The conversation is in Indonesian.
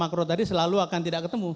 makro tadi selalu akan tidak ketemu